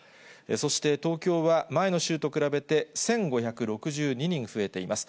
そして東京は前の週と比べて１５６２人増えています。